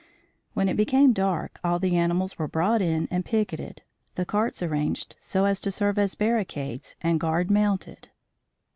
When it became dark, all the animals were brought in and picketed, the carts arranged so as to serve as barricades and guard mounted.